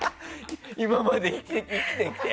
今まで生きてきて。